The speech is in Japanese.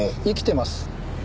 生きてます。